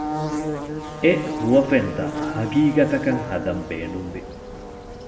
އެ ހުވަފެންތައް ހަގީގަތަކަށް ހަދަން ބޭނުންވި